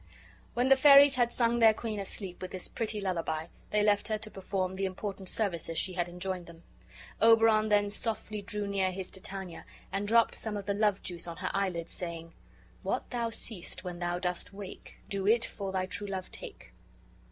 When the fairies had sung their queen asleep with this pretty lullaby, they left her to perform the important services she had enjoined them. Oberon then softly drew near his Titania and dropped some of the love juice on her eyelids, saying: "What thou seest when thou dost wake, Do it for thy true love take."